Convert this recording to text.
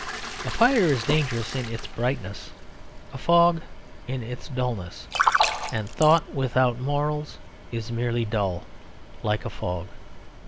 A fire is dangerous in its brightness; a fog in its dulness; and thought without morals is merely dull, like a fog.